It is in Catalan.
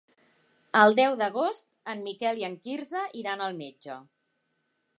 El deu d'agost en Miquel i en Quirze iran al metge.